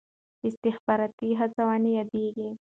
استخباراتي هڅونې یادېږي.